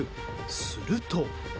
すると。